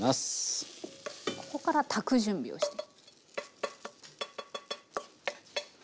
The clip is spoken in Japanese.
ここから炊く準備をしていく。